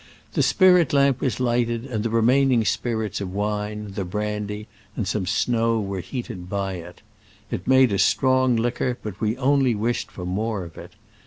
The spirit lamp was light ed, and the remaining spirits of wine, the brandy and some snow were heated by it. It made a strong liquor, but we only wished for more of it.